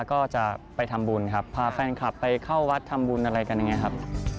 ก็จะไปทำบุญครับพาแฟนคลับไปเข้าวัดทำบุญอะไรกันอย่างนี้ครับ